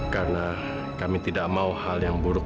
karena kami tidak mau hal yang buruk